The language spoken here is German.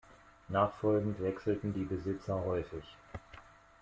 Nachfolgend wechselten die Besitzer häufig.